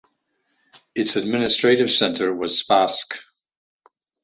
Its administrative centre was Spassk.